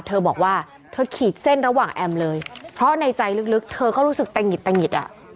เธอบอกว่าเธอขีดเส้นระหว่างแอมเลยเพราะในใจลึกเธอก็รู้สึกตะหิดตะหิดอ่ะ